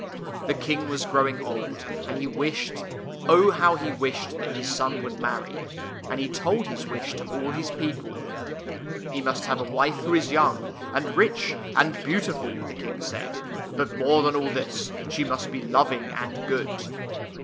The King was growing old, and he wished — Oh, how he wished !— that his son would marry. And he told his wish to all his people. " He must have a wife who is young, and rich, and beautiful," the King said, " but more than all this, she must be loving and good."